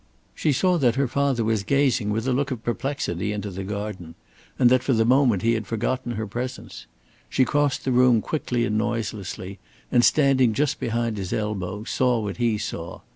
She saw that her father was gazing with a look of perplexity into the garden, and that for the moment he had forgotten her presence. She crossed the room quickly and noiselessly, and standing just behind his elbow, saw what he saw.